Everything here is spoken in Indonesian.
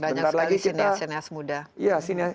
banyak sekali sinias muda